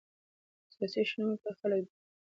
سیاسي شنونکي هغه خلک دي چې کور کې یې هم څوک خبره نه مني!